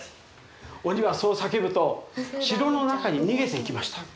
鬼はそう叫ぶと城の中に逃げていきました。